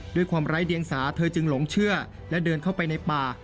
ด้วยความไร้เดียงสาเธอจึงหลงเชื่อและเดินเข้าไปในป่า